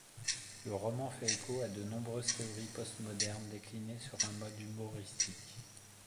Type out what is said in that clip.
Le roman fait écho à de nombreuses théories postmodernes déclinées sur un mode humoristique.